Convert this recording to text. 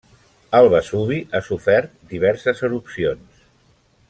El Vesuvi ha sofert diverses erupcions.